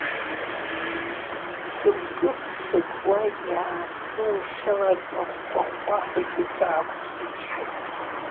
Сыгәкы-ԥсыкуа, иааснумшьаларатәы ахәхәа-хәхәаҳәагьы саақәыԥсычҳаит.